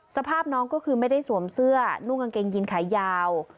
สภาพน้องก็คือไม่ได้สวมเสื้อนุ่งกางเกงยินขายาว